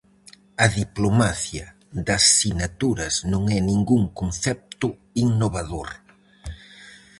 A diplomacia das sinaturas non é ningún concepto innovador.